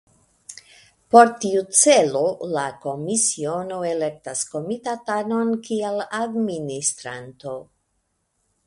Por tiu celo la Komisiono elektas Komitatanon kiel Administranto.